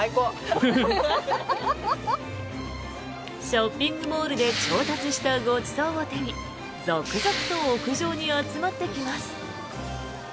ショッピングモールで調達したごちそうを手に続々と屋上に集まってきます。